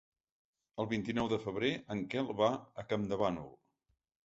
El vint-i-nou de febrer en Quel va a Campdevànol.